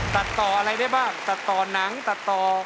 ตัดต่ออะไรได้บ้างตัดต่อหนังตัดต่อ